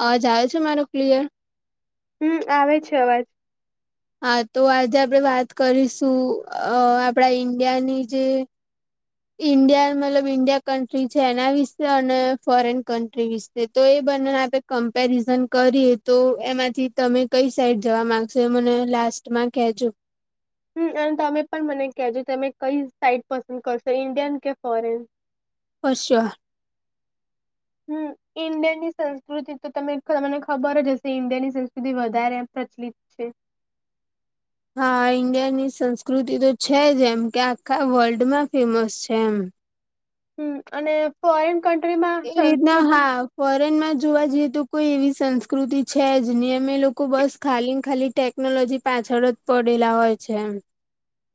અવાજ આવે છે મારો ક્લિયર હમ આવે છે અવાજ હા તો આજે આપણે વાત કરીશું અ આપણા ઈન્ડિયાની જે ઈન્ડિયા મતલબ ઈન્ડિયા કન્ટ્રી છે એના વિશે અને ફોરેન કન્ટ્રી વિશે તો એ બંનેને આપે કમ્પેરિઝન કરીએ તો એમાંથી તમે કઈ સાઈડ જવા માંગશો મને લાસ્ટમાં કેજો હમ અને તમે પણ મને કહેજો તમે કઈ સાઈડ પસંદ કરશો ઇન્ડિયન કે ફોરેન સોયર હમ ઈન્ડિિયાન ની સંસ્કૃતિ તો તમે મને ખબર જ હશે ઇન્ડિયા ની સંસ્કૃતિ વધારે એ સાચલી હા ઈન્ડિયાની સંસ્કૃતિ તો છે જ એમ કે આખા વર્લ્ડમાં ફેમસ છે એમ હ અને ફોરેણ કન્ટ્રી એ ના હા ફોરેન માં જોવા જઈએ તો કોઈ એવી સંસ્કૃતિ છે જ નિ અમે લોકો બસ ખાલી ને ખાલી ટેક્ ટેકનોલોજી પાછળ જ પડેલા હોય છે એમ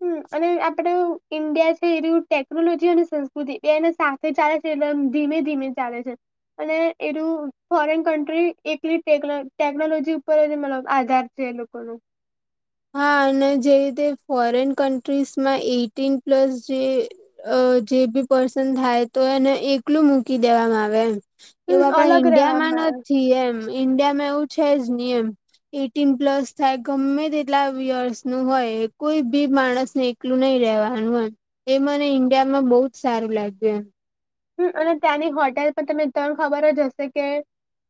હમ અને આપડે ઈન્ડિયા છે એ ટેકનોલોજી અને સંસ્કૃતિ બેને તે ચાલે છે એકદમ ધીમે ધીમે ચાલે છે અને એનુંુ ફોરેન કન્ટ્રી એકલી ટેકનોલોજી ઉપર મતલબ આધાર જે લોકો નું હા અને જે રીતે ફોરેન કન્ટ્રીસમાં એટીન પ્લસ જે અ જે બી પર્સન થાય તો એને એકલું મૂકી દેવામાં આવે એમ એવું હમ આપડા અલગ ઈન્ડિયા માં રહેવામાં આવે નથી એમ ઈન્ડિયામાં એવું છે જ નહી એમ એટીન પ્લસ થાય ગમે તે કેટલા વયર્સ નું હોય કોઈ બી માણસને એકલું નહી રેવાનું એમ એ મને ઈન્ડિયામાં બહુ જ સારું લાગ્યું એમ હમ અને ત્યાંની હોટેલ પણ તમે તણ ખબર જ હશે કે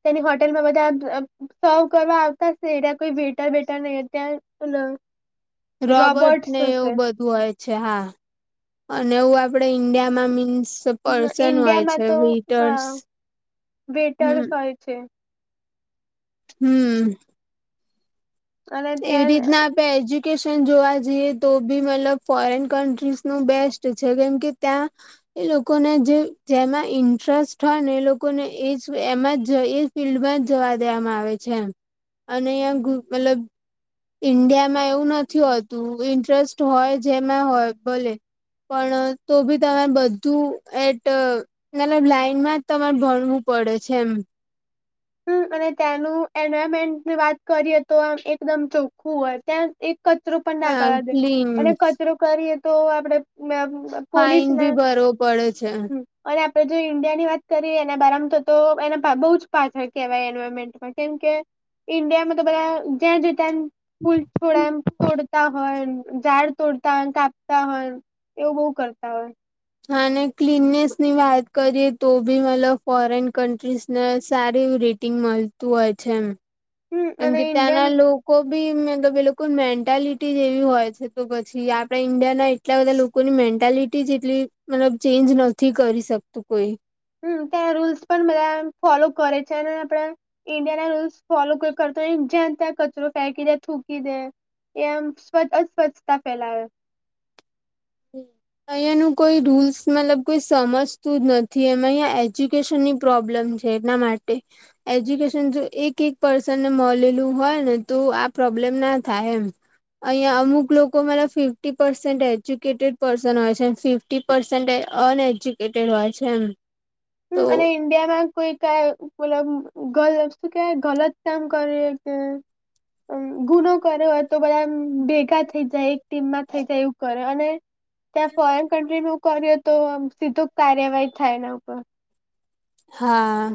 તેની હોટેલમાં બધા સર્વ કરવા આવતા છે ત્યાં કોઈ વતટર બેટર નહી હોય રોબર્ટ ને એવું બધું હોય છે હા અને એવું આપડે ઈન્ડિયામાં મીન્સ પર્સન હોય ઈન્ડિયામાં છે તો વેટર્સ હા વ હમ વેટરસ હોય છે હમ અને એવી ત્યાં રીતના. એજ્યુકેશન જોવા જઈએ તો બી મતલબ ફોરેન કન્ટ્રીઝ નુ બેસ્ટ છે કેમ કે ત્યાં એ લોકોને જે જેમાં ઇન્ટરેસ્ટ હોય ને એ લોકોને એજ એમાં જ ઇજ. ફિલ્ડમાં જ જવા દેવામાં આવે છે એમ અને અહીં ગુ મતલબ ઈન્ડિયામાં એવું નથી હોતું ઇન્ટરેસ્ટ હોય જેમાં હોય ભલે પણ તો ભી તમે બધું એટ મતલબ લાઈનમાં જ તમારે ભણવું પડે છે એમ. હમ અને ત્યાંનું એન્વાયરમેન્ટની વાત કરીએ તો આમ એકદમ ચોખ્ખું હોય ત્યાં. એક કચરું પણ ના હા કરવા દે ક્લીન અને કચરું કરીએ તો આપડે મેબ ફાઈન બી ભરવો પડે છે. અને આપડે જો ઈન્ડિયા ની વાત કરીએ એના બારમ તો તો એને પીએ બઉુ જ પા થાય. કેવાય એન્વાયરમેન્ટમાં કેમ કે ઈન્ડિયામાં તો બધા જ્યાં જો તા એમ ફૂલ છોડ એમ. તોડતા હોય ઝાડ તોડતા હોય કાપતા હોય એવું બો કરતા હોય. હા ને ક્લીનનેસ ની વાત કરીએ તો બી મતલબ ફોરેન કન્ટ્રીઝને સારી રી ટીન મળતું હોય છે એમ હમ કેમ અને કે ત્યાંના ઇન્ડિયન લો કો બી મે તો બિલકુલ મેન્ટાલિટી એવી હોય છે તો પછી આપણા ઈન્ડિયાના એટલા બધા લોકોની મેન્ટાલિટી એટલી મતલબ ચેન્જ નથી કરી શકતું કોઈ. હમ ત્યાં રૂલ્સ પણ બધા ફોલો કરે છે અને આપડા ઈન્ડિયા ના રૂલ્સ ફોલો કોઈ કરતો હોય જ્યાં ત્યાં કચરો ફેંકી દે થૂકી દે. એમ સ્વ અસ્વચ્છતા ફેલાવે. હમ [unintelligible] અહંયા નું કોઈ રૂલ્સ મતલબ કોઈ સમજતું જ નથી એમાં અહંયા એજ્યુકેશન ની પ્રોબ્લેમ છે. એના માટે. એજ્યુકેશન જો એક એક પર્સનને મલેલું હોય ને તો આ પ્રોબ્લેમ ના થાય એમ. અહીંયા અમુક લોકો મતલબ ફિફ્ટી પર્સેન્ટજ એજ્યુકેટેડ પર્શન હોય છે ફીફટી પસેન્ટજ અન એજ્યુકેટેડ હોય છે એમ. તો હું અને. ઇન્ડિયામાં કોઈ કાય મલબ ગલ શું કેવાય ગલત કામ કરે કે. ગુનો કરે હોય તો બધા ભેગા થઈ જાય એક ટીમમાં થઇ જાય એવું કરે અને ત્યાં ફોરેન કન્ટ્રી નું કર્યો તો આ સીધું કાર્યવાહી થાય એના ઉપર હા.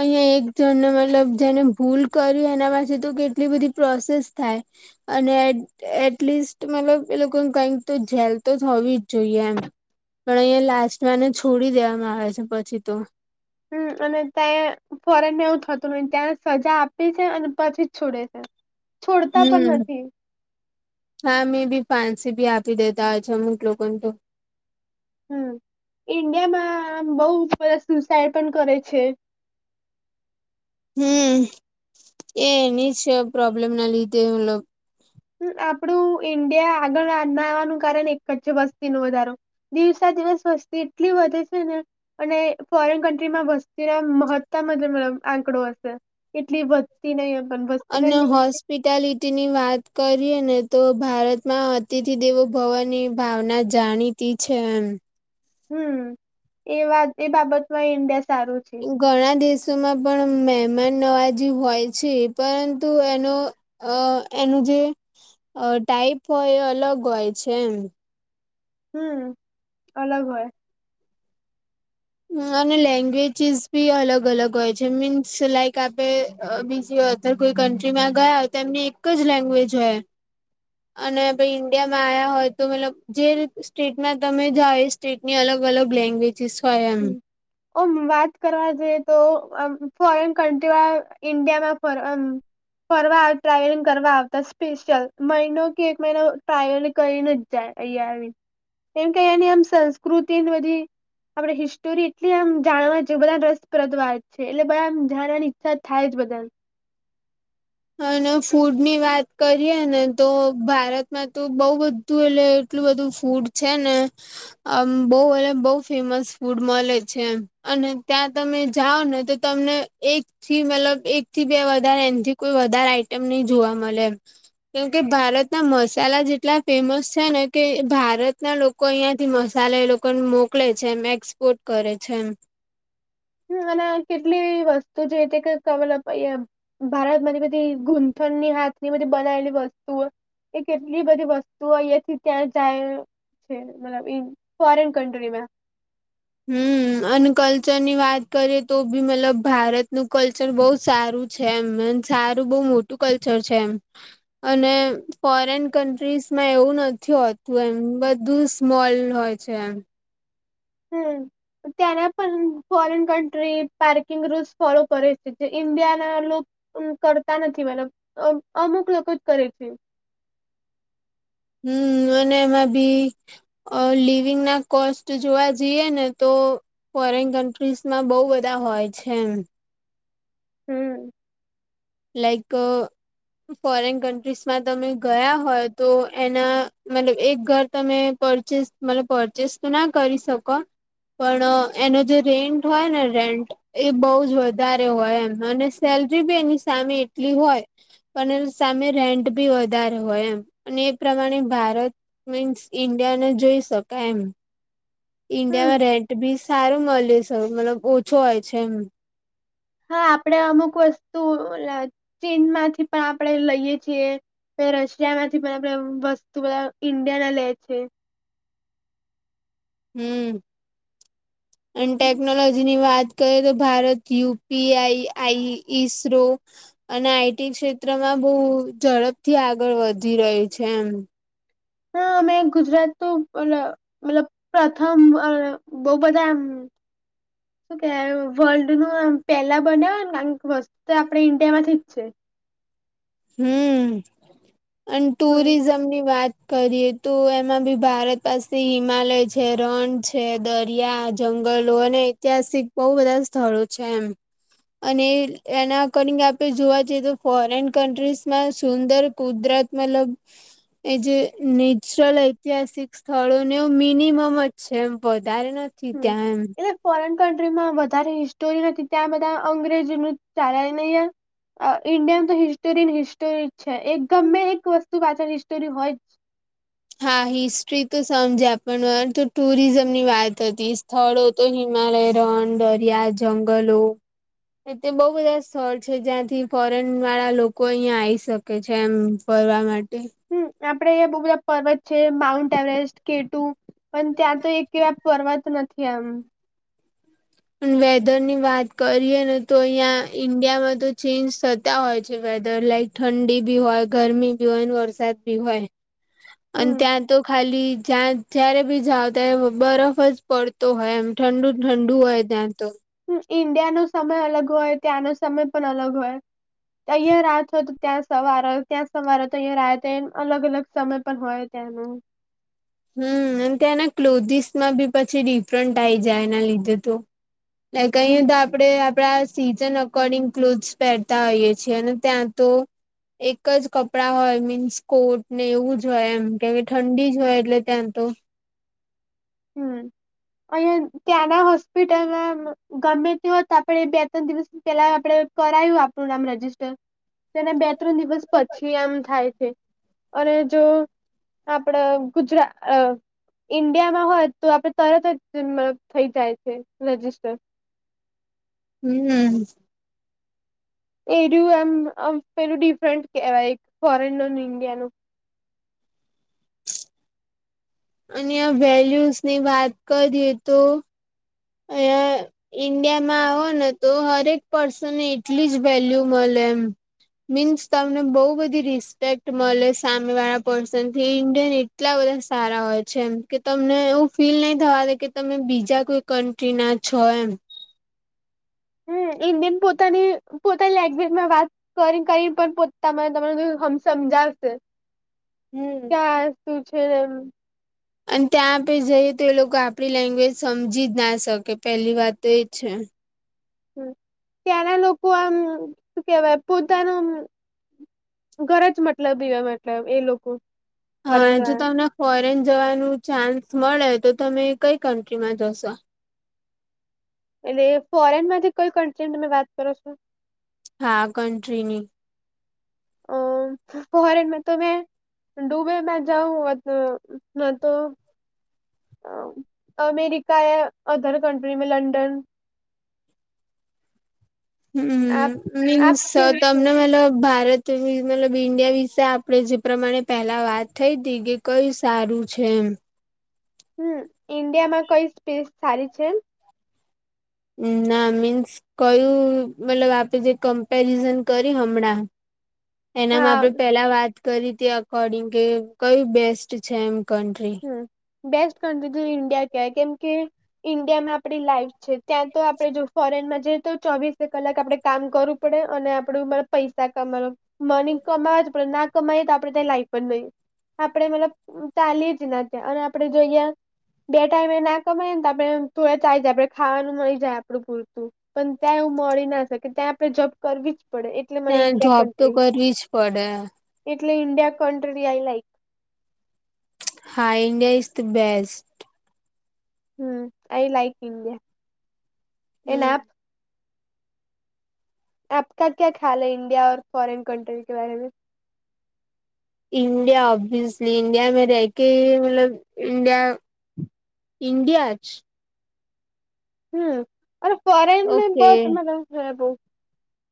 અઈયાં એક જણ મતલબ જેને ભૂલ કરી એના પાસે તો કેટલી બધી પ્રોસેસ થાય. અને એટ એટલીસ્ટ મતલબ એ લોકો કઈક તો જેલ તો જ હોવી જ જોઈએ એમ. પણ અહીંયા લાસ્ટ માં તો એને છોડી દેવામાં આવે છે પછી તો. હમ અને ત્યા ફોરેનને એવું થતું ન ત્યાં સજા આપી છે અને પછી જ છોડે છે. [unintelligible] છોડતા પણ હમ નથી હા મેં બી પાંસી બી આપી દેતા હો છે અમુક લોકોને તો હમ ઇન્ડિયામાં આમ બઉ બધા સુસાઈડ પણ કરે છે. હમ એ એની જ પ્રોબ્લેમ ના લીધે મતલબ આપડું ઈન્ડિયા આગળ ના આવવાનું કારણ એક જ છે વસ્તીનો વધારો દિવસે દિવસ વસ્તી એટલી વધે છે ને અને ફોરેન કન્ટ્રીમાં વસ્તીના મહત્તામ જ આંકડો હશે. એટલી વધતી નઈ એ પન. અને હોસ. પિતાલીટીની વાત કરીએ ને તો ભારતમાં અતિથિ દેવો ભવોની ભાવના જાણી. ટી છે એમ. હમ એ વાત એ બાબતમાં ઈન્ડિયા સારું છે. ઘણા દેશોમાં પણ મહેમાન નવાજી હોય છે પરંતુ એનો અ એનું જે અ ટાઈપ હોય એ અલગ હોય છે એમ. હમ અલગ હોય. અને લેંગ્વેજીસ બી અલગ અલગ હોય છે મીન્સ લાઈક આપે બીજી ટારુ કોઈક કન્ટ્રીમાં ગયા હો તો એમની એક જ લેંગ્વેજ હોય. અને ભઈ ઈન્ડિયામાં આયા હોય તો મતલબ જે રીત સ્ટેટમાં તમે જઓ સ્ટેટની અલગ અલગ લેંગ્વેજીસ હોય એમ હમ ઓમ વાત કરવા જઈએ તો ફોરેન કન્ટ્રી વાળા ઇન્ડિયામાં પર અમ ફરવા ટ્રાવેલિંગ કરવા આવતા સ્પેશિયલ મહિનો કે એક મહિનો ટ્રાવેલિંગ કરીને જા અહીયા આવી કેમ કે એની આમ સંસ્કૃતિને બધી આપડે હિસ્ટોરી એટલી આમ જાણવા છે બધા રસપ્રદ વાત છે એટલે બધાન જાણવાની ઈચ્છા થાય જ બધાને. અને ફૂડ ની વાત કરીએ ને તો ભારતમાં તો બઉ બ ધૂ એટલે એટલું બધું ફૂડ છે ને આમ બઉ અરે બઉં ફેમસ ફૂડ મળે છે અને ત્યાં તમે જાઓ ને તો તમને એક થી મતલબ એક થી બે વધારે એનથી કોઈ વધાર આઈટમ નઈ જોવા મળે એમ. કેમ કે ભારતના મસાલાજ એટલા ફેમસ છે ને કે ભારતના લો કો અહીંયા થી મસાલા એ લોકોને મોકલે છે એમ એક્સપોર્ટ કરે છે એમ. હ અને કેટલી વસ્તુ જે તે ક [unintelligible] ભારત માંથી બધી ઘૂથણની હાથની બધી બનાયલી વસ્તુઓ એ કેટલી બધી વસ્તુઓ અહિયાથી ત્યાં જાય અ મતલબ ઈન ફોરેન કન્ટ્રી માં હમ્મ અને કલ્ચર ની વાત કરીએ તો ભી મતલબ ભારતનું કલ્ચર બહુ સારું છે એમ અન સારું બઉ મોટું કલ્ચર છે એમ. અને ફોરેન કન્ટ્રીઝમાં એવું નથી હોતું એમ બધું સ્મોલ હોય. અચ્છા એમ હમ્મ ત્યાં ના પણ foreign country parking rules follow કરે છે જે ઈન્ડિયાના લો કરતા નથી મલબ અમુક લોકો જ કરે છે. હમ્મ અને એમાં બી અ લિવિંગ ના કોસ્ટ જોવા જઈએ ને તો ફોરેન કન્ટ્રીઝમાં બહુ બધા હોય છે એમ. હમ લાઈક ફોરેન કન્ટ્રીસમાં તમે ગયા હોય તો એના મતલબ એક ઘર તમે પરચેસ મતલબ પરચેસ તો ના કરી શકો પણ એનો જે રેન્ટ હોય ને રેન્ટ એ બહુ જ વધારે હોય એમ અને સેલરી બી એની સામે એટલી હોય અને સામે રેન્ટ બી વધારે હોય એમ અને એ પ્રમાણે ભારત મીન્સ ઇન્ડિયા ને જોઈ શકાય એમ હમ ઈન્ડિયામાં રેન્ટ બી સારું મળે છે મતલબ ઓછો હોય છે એમ. હા આપણે અમુક વસ્તુ ચીનમાંથી પણ આપણેે લઈએ છીએ. રશિયા માંથી પણ આપણે વસ્તુ બધા ઈન્ડિયા ના લે છે. હમ્મ. અને ટેકનોલોજી ની વાત કરીએ તો ભારત યુ. પી. આઈ. આઈ ઈસરો અને આઈટી ક્ષેત્રમાં બહુ ઝડપથી આગળ વધી રહ્યું છે એમ. હા અમે ગુજરાત તો અન મતલબ પ્રથમ બહું બધામ શું કે વલ્ડ નું પેલા બનેયા કણ વસ્ત તો આપણે ઈન્ડિયામાંથી જ છે. હમ્મ અને છે હમ ટુરિઝમ ની વાત કરીએ તો એમાં બી ભારત પાસે હિમાલય છે રણ છે દરિયા જંગલો અને ઐતિહાસિક બહુ બધા સ્થળો છે એમ. અને એના અકોર્ડિંગ આપે જોવા જઈએ તો ફોરેન કન્ટ્રીસમાં સુંદર કુદરત મતલબ એ જે નેચરલ ઐતિહાસિક સ્થળો ને એ મિનિમમ જ છે એમ વધારે નથી. હમ્મ ત્યાં એમ એ ફોરેન કન્ટ્રીમાં વધારે હિસ્ટોરી નથી ત્યાં બધા અંગ્રેજ નું ચાલે ને અહીંયા ઇન્ડિયામાં તો હિસ્ટોરીન હિસ્ટોરી જ છે એક ગમે એક વસ્તુ પાછળ હિસ્ટોરી હોય જ હા હિસ્ટ્રી તો સમજ્યા પણ વાર તો ટુરિઝમ ની વાત હતી સ્થળો તો હિમાલય, રણ, દરિયા, જંગલો એ બહુ બધા સ્થળ છે જ્યાંથી ફોરેન વાળા લોકો અહિયાં આવી શ કે છે એમ ફરવા માટે. હમ્મ, આપડે અહિયા બહુ બધા પર્વત છે માઉન્ટ એવરેસ્ટ કેટુ પણ ત્યાં તો એકેવા ફરવા જ નથી આમ. પણ વેધર ની વાત કરીએ ને તો અહંયા ઈન્ડિયામાં તો ચેન્જ થતા હોય છે વેધર લાઈક. ઠંડી ભી હોય, ગરમી બી હોય, વરસાદ બી હોય. અને હમ ત્યાં તો ખાલી જ્યાં જયારે બી જાઓ ત્યારે બરફ જ પડતો હોય એમ ઠંડુ ઠંડુ હોય ત્યાં તો હમ્મ, ઈન્ડિયાનો સમય અલગ હોય, ત્યાંનો સમય પણ અલગ હોય. અહિયાં રાત હોય તો ત્યાં સવાર ત્યાં સવારે હો તો અહિયાં રાતે અલગ અલગ સમય પણ હોય. તેમ. હમ્મ, અને ત્યાંના ક્લોધિસ માં બી પછી ડિફરન્ટ આ આવી જાય એના લીધે તો. એટલે હમ કઈ તો આપડે આપડા સીઝન અકોર્ડિંગ ક્લોથસ પહેરતા હોઈએ છીએ અને ત્યાં તો એક જ કપડાં હોય મીન્સ કોટ ને એવું જ હોય એમ કેમ કે ઠંડી જ હોય એટલે ત્યાં તો હમ્મ. અહિયાં ત્યાંના હોસ્પિટલમાં ગમે હોત આપણે બે ત્રણ દિવસની પેલા આપડ કરાયું આપણું નામ રજિસ્ટર, તેના બે ત્રણ દિવસ પછી આમ થાય છે. અને જો આપડે ગુજરા ઇન્ડિયા હોય તો આપડે તરત જ થઈ જાય છે રજીસ્ટર. હમ્મ. એ રયુ આમ આમ પેલું ડિફરન્ટ કેવાય એક ફોરેન ન ઇન્ડિયાનું. અહીંયા વેલ્યુઝ ની વાત કરીએ તો એ. ઈન્ડિયા માં આવે ને તો હરેક પર્સનને એટલી જ વેલ્યુ મળે એમ. મીન્સ તમને બહુ બધી રિસ્પેક્ટ મળે સામે વાળા પર્સન થી ઇન્ડિયન એટલા બધા સારા હોય છેમ કે તમને એવું ફીલ નહીં થવા દે કે તમે બીજા કોઈ કન્ટ્રી ના છો એમ. હમ્મ, ઇન્ડિયન પોતાની પોતાની લેંગ્વેજમાં વાત કરીને કરીને પણ પોતા મને તમને હમ સમજાવશે. હમ્મ. હા શું છે એમ. અને ત્યાં આપે જઈએ તો એ લોકો આપડી લેંગ્વેજ સમજી જ ના શકે પેલી વાત તો એ છે. હમ્મ, ત્યાંના લોકો આમ શું કેવાય પોતાનું ઘર જ મતલબ એવા મતલબ એ લોકો હા ફોરેન જો વાળા તમને ફોરેન જવાનું ચાન્સ મળે તો તમે કઈ કન્ટ્રીમાં જશો? એટલે ફોરેન માંથી કોઈ કન્ટ્રી તમે વાત કરો છો? હા કન્ટ્રીની. અ હું મારું મિતુને ડુબે મે જાઉ વતો નતો અ અમેરિકા એ અધર કંન્ટ્રી મે લંડન આપ હમ આપ મીન્સ કેમ છે તમને મતલ ભારત. મતલબ ઈન્ડિયા વિશે આપણે જે પ્રમાણે પહેલા વાત થઈ હતી કે કયું સારું છે એમ. હમ ઈન્ડિયા માં કઈ સ્પેસ સારી છે. ના મીન્સ કયું મતલબ આપે જે કમ્પેરિઝન કરી હમણાં. [inaudible] એનામાં હા આપડે પેલા વાત કરીતી અકોર્ડિંગ કે કયું બેસ્ટ છે એમ કન્ટ્રી. હમ બેસ્ટ કન્ટ્રી તો ઇન્ડિયા કેવાય કેમ કે ઈન્ડિયામાં આપડી લાઈફ છે ત્યાં તો આપડે જો ફોરેનમાં જઈએ તો ચોવીસે કલાક આપડે કામ કરું પડે અને આપડું મ પૈસા કમાવુ મની કમાજ પણ ના કમાએ તો આપડે ત્યા લાઈફ જ નઈ આપેડે મતલબ તાલી જ નથી અને આપડે જોઈય બે ટાઈમે ના કમાય ન તો આપડે તોયે ચાઈજાય આપડે ખાવાનું મળી જાય આપડે પૂરતું. પણ ત્યાં એવું મળી ના શકે ત્યાં આપણે જોબ કરવી જ પડે એ એ જોબ તો કરવી જ પડે. એટલે ઇન્ડિયા કન્ટડી આઈ લાઈક. હા India is the best. Hmm I like India એને હમ એના આપકા ક્યા ખ્યાલ ઇન્ડિયા ઓર ફોરેન કન્ટ્રી કે બારમે. ઇન્ડિયા ઓબીસલી ઇન્ડિયા મે રેકે મતલબ ઇન્ડિયા ઇન્ડિયા જ હમ્મ અને ફોરેન મો ઓકે બોત મતલબ.